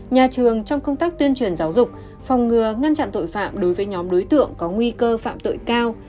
nhà trường trong công tác tuyên truyền giáo dục phòng ngừa ngăn chặn tội phạm đối với nhóm đối tượng có nguy cơ phạm tội cao